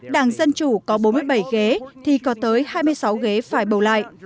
đảng dân chủ có bốn mươi bảy ghế thì có tới hai mươi sáu ghế phải bầu lại